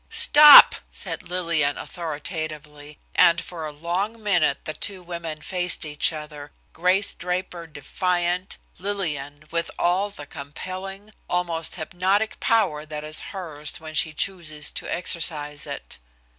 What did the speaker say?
"Stop!" said Lillian authoritatively, and for a long minute the two women faced each other, Grace Draper defiant, Lillian, with all the compelling, almost hypnotic power that is hers when she chooses to exercise it.